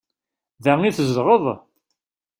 Da i tzedɣeḍ?